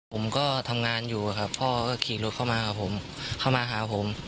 ผมก็ทำงานอยู่ครับพ่อก็ขี่รถเข้ามาหาผม